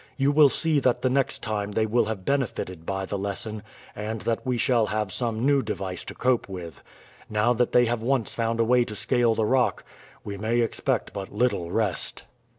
You will see that the next time they will have benefited by the lesson, and that we shall have some new device to cope with. Now that they have once found a way to scale the rock we may expect but little rest."